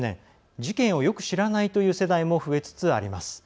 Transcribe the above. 事件をよく知らないという世代も増えつつあります。